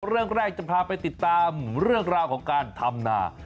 เรื่องแรกจะพาไปติดตามเรื่องราวของการทำนา